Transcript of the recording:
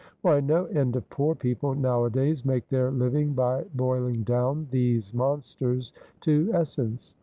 Why, no end of poor people nowadays make their living by boiling down these monsters to essence.